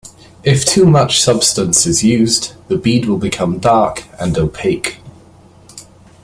If too much substance is used, the bead will become dark and opaque.